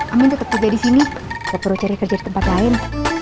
amin tetap kerja di sini tetap perlu cari kerja di tempat lain